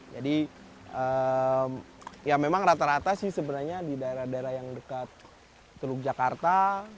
jadi ya memang rata rata sih sebenarnya di daerah daerah yang dekat teluk jakarta